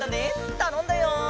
たのんだよ！